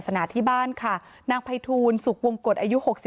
เพราะไม่เคยถามลูกสาวนะว่าไปทำธุรกิจแบบไหนอะไรยังไง